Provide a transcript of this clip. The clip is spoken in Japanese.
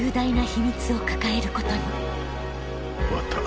終わった。